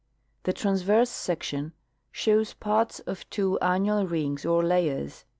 The transverse section shows parts of two annual rings or layers (figure 5).